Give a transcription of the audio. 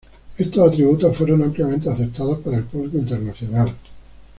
Estos atributos fueron ampliamente aceptados para el público internacional.